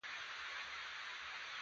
ښې ځواني او نرمي خندا یې درلوده.